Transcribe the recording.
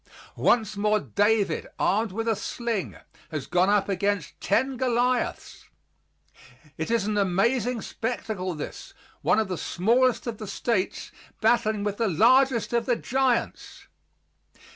Once more David, armed with a sling, has gone up against ten Goliaths. It is an amazing spectacle, this, one of the smallest of the States, battling with the largest of the giants!